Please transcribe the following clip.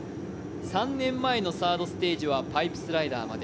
３年前のサードステージはパイプスライダーまで。